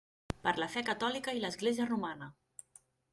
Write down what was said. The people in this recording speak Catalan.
Per la fe catòlica i l'Església Romana!